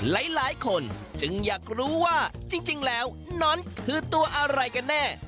หลายคนจึงอยากรู้ว่าจริงแล้วนั้นคือตัวอะไรกันแน่